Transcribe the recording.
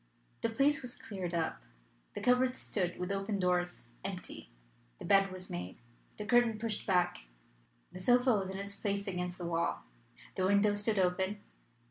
The place was cleared up; the cupboard stood with open doors, empty; the bed was made; the curtain pushed back; the sofa was in its place against the wall; the window stood open.